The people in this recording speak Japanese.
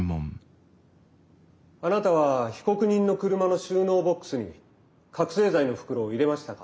あなたは被告人の車の収納ボックスに覚醒剤の袋を入れましたか？